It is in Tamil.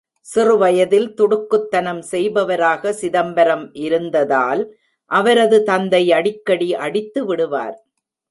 சிறுவயதில் துடுக்குத்தனம் செய்பவராக சிதம்பரம் இருந்ததால், அவரது தந்தை அடிக்கடி அடித்து விடுவார்.